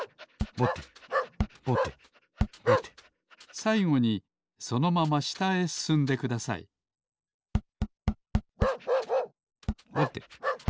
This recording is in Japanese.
さいごにそのまましたへすすんでくださいぼてぼてぼて。